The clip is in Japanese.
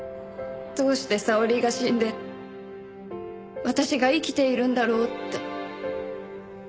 どうして沙織が死んで私が生きているんだろうって。